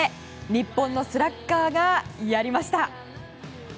日本のスラッガーがやりました。